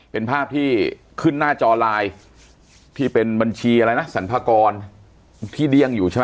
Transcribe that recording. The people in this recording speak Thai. เป็นภาพที่ขึ้นหน้าจอไลน์ที่เป็นบัญชีอะไรนะสรรพากรที่เดี้ยงอยู่ใช่ไหม